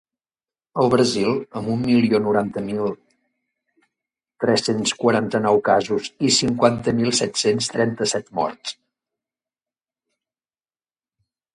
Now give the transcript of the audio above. El Brasil, amb un milió noranta mil tres-cents quaranta-nou casos i cinquanta mil set-cents trenta-set morts.